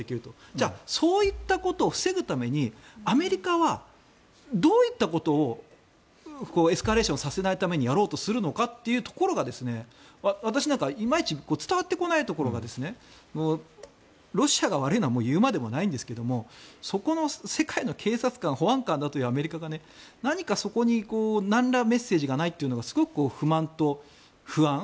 じゃあそういったことを防ぐためにアメリカはどういったことをエスカレーションをさせないためにやろうとするのかというところが私なんかはいまいち伝わってこないところがロシアが悪いのは言うまでもないんですけどもそこの世界の警察官、保安官というアメリカが何かそこになんらメッセージがないというのがすごく不満と不安